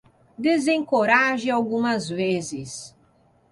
Desencoraje algumas vezes.